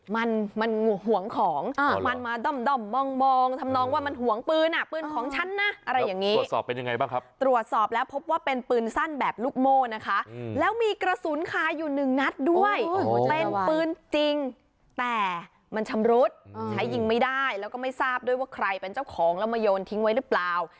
มันมันห่วงของมันมาด้อมมองทำนองว่ามันห่วงปืนอ่ะปืนของฉันนะอะไรอย่างนี้ตรวจสอบเป็นยังไงบ้างครับตรวจสอบแล้วพบว่าเป็นปืนสั้นแบบลูกโม่นะคะแล้วมีกระสุนคาอยู่หนึ่งนัดด้วยเป็นปืนจริงแต่มันชำรุดใช้ยิงไม่ได้แล้วก็ไม่ทราบด้วยว่าใครเป็นเจ้าของแล้วมาโยนทิ้งไว้หรือเปล่า